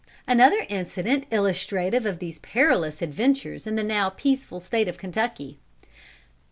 Another incident illustrative of these perilous adventures in the now peaceful State of Kentucky.